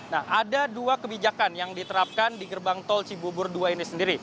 nah ada dua kebijakan yang diterapkan di gerbang tol cibubur dua ini sendiri